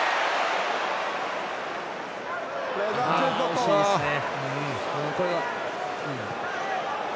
惜しいですね。